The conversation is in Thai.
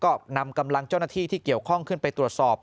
ก็นำกำลังเจ้าหน้าที่ที่เกี่ยวข้องขึ้นไปตรวจสอบ